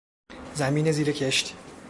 زمین زیر کشت